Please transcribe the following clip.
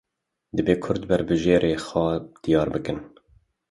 Divê Kurd berbijêrê xwe diyar bikin.